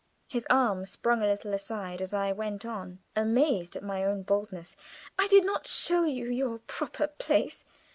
His arm sprung a little aside as I went on, amazed at my own boldness. "I did not show you your 'proper place.'